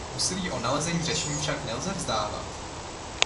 Úsilí o nalezení řešení však nelze vzdávat.